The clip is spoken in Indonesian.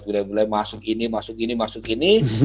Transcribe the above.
sudah mulai masuk ini masuk ini masuk ini